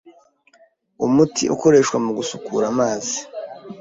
umuti ukoreshwa mu gusukura amazi